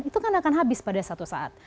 itu kan akan habis pada satu saat